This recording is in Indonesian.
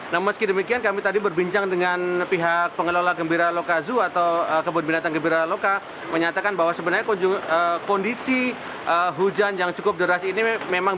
namun meski demikian kami tadi berbincang dengan pihak pengelola gembira lokazu atau kebun binatang gembira loka menyatakan bahwa sebenarnya kondisi hujan yang cukup deras ini